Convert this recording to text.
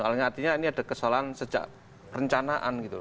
artinya ini ada kesalahan sejak perencanaan gitu